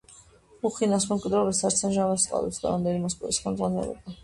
მუხინას მემკვიდრეობას არც ამჟამად სწყალობს დღევანდელი მოსკოვის ხელმძღვანელობა.